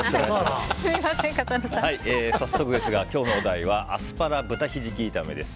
早速ですが今日のお題はアスパラ豚ヒジキ炒めです。